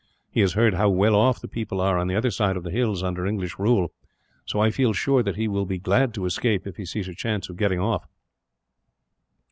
He has heard how well off the people are on the other side of the hills, under English rule; so I feel sure that he will be glad to escape, if he sees a chance of getting off."